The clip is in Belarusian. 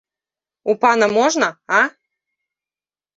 У пана можна, а?